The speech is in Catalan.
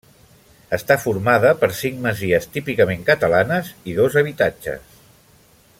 Està formada per cinc masies típicament catalanes i dos habitatges.